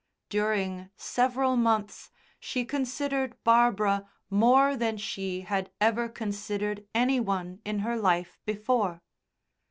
During several months she considered Barbara more than she had ever considered any one in her life before.